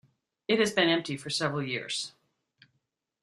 It has been empty for several years.